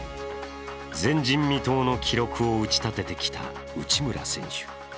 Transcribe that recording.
前人未到の記録を打ち立ててきた内村選手。